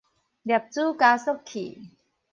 粒子加速器